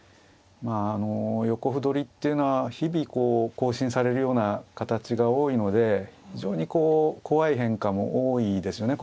まああの横歩取りっていうのは日々こう更新されるような形が多いので非常にこう怖い変化も多いですよね。